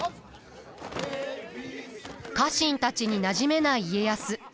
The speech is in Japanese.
家臣たちになじめない家康。